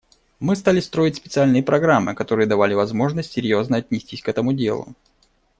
Мы стали строить специальные программы, которые давали возможность серьезно отнестись к этому делу.